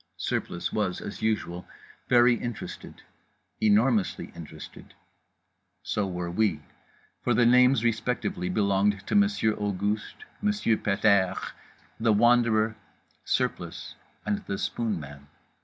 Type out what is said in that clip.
Surplice was, as usual, very interested, enormously interested. So were we: for the names respectively belonged to Monsieur Auguste, Monsieur Pet airs, The Wanderer, Surplice and The Spoonman.